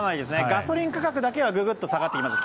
ガソリン価格だけはググッと下がっています。